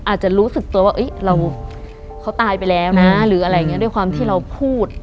อาจจะรู้สึกตัวว่าเว้ยเขาตายไปแล้วน่ะด้วยความที่เราพูด